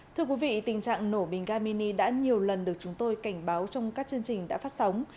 thưa quý vị tình trạng nổ bình ga mini đã nhiều lần được chúng tôi cảnh báo trong các chương trình đã phát sóng